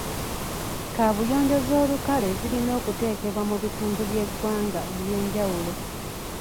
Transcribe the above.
Kaabuyonjo z'olukale zirina okuteekebwa mu bitundu by'eggwanga eby'enjawulo.